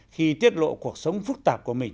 khi tiết lộ cuộc sống phức tạp của mình